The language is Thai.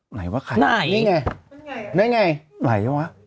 ไหนวะไข่